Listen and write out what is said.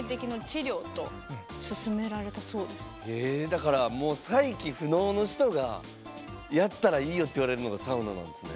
だからもう再起不能の人がやったらいいよって言われるのがサウナなんすね。